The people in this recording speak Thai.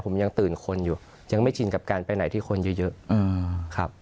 ผมยังตื่นคนอยู่ยังไม่ชินกับการไปไหนที่คนเยอะครับ